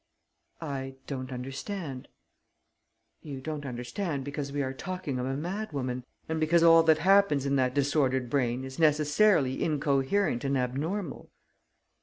"I don't understand." "You don't understand, because we are talking of a madwoman ... and because all that happens in that disordered brain is necessarily incoherent and abnormal?"